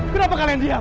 kenapa kalian diam